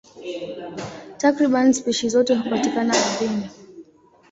Takriban spishi zote hupatikana ardhini.